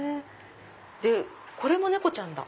これも猫ちゃんだ。